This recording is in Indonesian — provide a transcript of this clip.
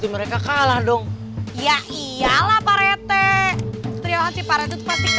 dia kena ny promising